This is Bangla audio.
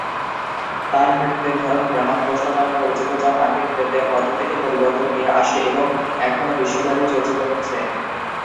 তার নৃত্যের ধরন গ্রাহাম কৌশল নামে পরিচিতি, যা মার্কিন নৃত্যের পদ্ধতিতে পরিবর্তন নিয়ে আসে এবং এখনো বিশ্বব্যাপী চর্চিত হচ্ছে।